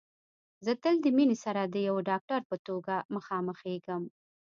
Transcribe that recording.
زه تل د مينې سره د يوه ډاکټر په توګه مخامخېږم